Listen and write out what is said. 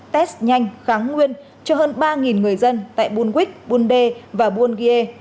test nhanh kháng nguyên cho hơn ba người dân tại buôn quých buôn đê và buôn ghiê